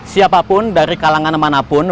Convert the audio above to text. siapapun dari kalangan manapun